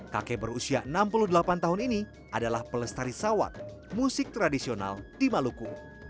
kakek berusia enam puluh delapan tahun ini adalah pelestari sawat musik tradisional di maluku